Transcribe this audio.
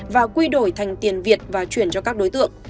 và quy đổi thành tiền việt và chuyển cho các đối tượng